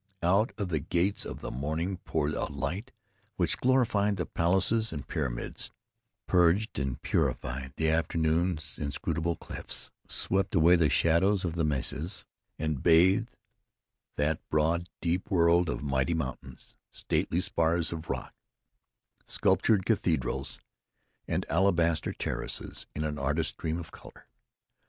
Out of the gates of the morning poured a light which glorified the palaces and pyramids, purged and purified the afternoon's inscrutable clefts, swept away the shadows of the mesas, and bathed that broad, deep world of mighty mountains, stately spars of rock, sculptured cathedrals and alabaster terraces in an artist's dream of color.